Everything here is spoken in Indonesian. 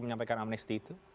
menyampaikan amnesti itu